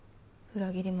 裏切り者！